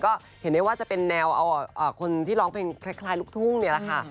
ก็เห็นได้ว่าจะเป็นแนวเอาคนที่ร้องเพลงคล้ายลูกทุ่งนี่แหละค่ะ